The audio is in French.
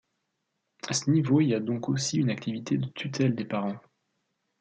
À ce niveau il y a donc aussi une activité de tutelle des parents.